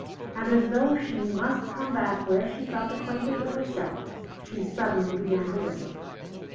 And as though she must come back where she felt acquainted with herself, she suddenly began to whistle.